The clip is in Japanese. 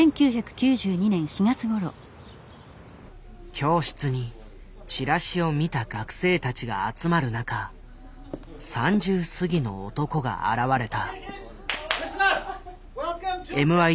教室にチラシを見た学生たちが集まる中３０すぎの男が現れた。